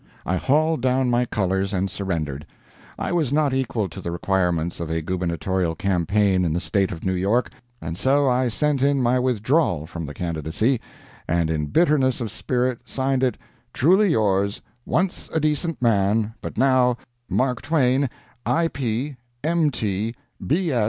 I hauled down my colors and surrendered. I was not equal to the requirements of a Gubernatorial campaign in the state of New York, and so I sent in my withdrawal from the candidacy, and in bitterness of spirit signed it, "Truly yours, once a decent man, but now "MARK TWAIN, I.P., M.